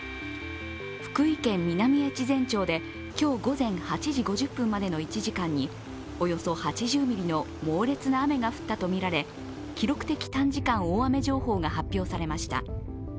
福井県南越前町で今日午前８時５０分までの１時間におよそ８０ミリの猛烈な雨が降ったとみられ記録的短時間大雨情報が発表されました。